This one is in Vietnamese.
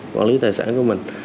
quản lý tài sản của mình